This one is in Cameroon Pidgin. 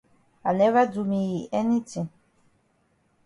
I never do me yi anytin.